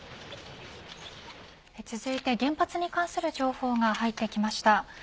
続いて原発に関する情報が入ってきました。